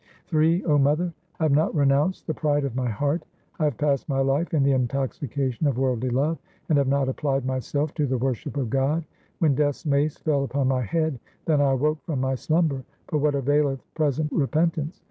Ill 0 mother, I have not renounced the pride of my heart ; 1 have passed my life in the intoxication of worldly love, and have not applied myself to the worship of God. When Death's mace fell upon my head, then I awoke from my slumber. But what availeth present repentance